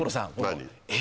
何？